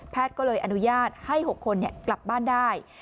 แพทย์ก็เลยอนุญาตให้๖คนเนี่ยกลับบ้านได้